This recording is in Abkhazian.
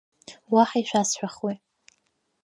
Уаҳа ишәасҳәахуеи?